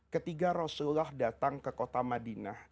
ketika rasulullah datang ke kota madinah